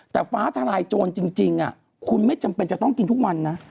แต่ฟ้าทลายโจรจริงคุณไม่จำเป็นจะต้องกินทุกวันนะ